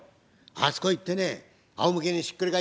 あそこへ行ってねあおむけにひっくり返ってね